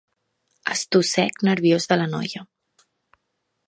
Estossec nerviós de la noia.